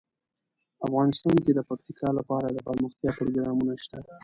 افغانستان کې د پکتیکا لپاره دپرمختیا پروګرامونه شته.